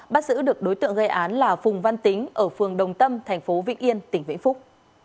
bắt giữ được đối tượng gây án là phùng văn tính ở phường đồng tâm thành phố vĩnh yên tỉnh vĩnh phúc